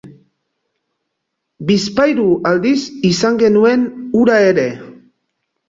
Bizpahiru aldiz izan genuen hura ere.